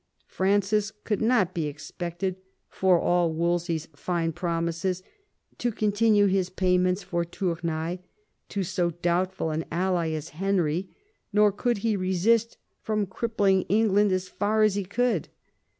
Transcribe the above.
Francis could not be expected, for all Wolsey's fine promises, to con tinue his payments for Toumai to so doubtful an ally as Henry, nor could he resist from crippling England as far as he could.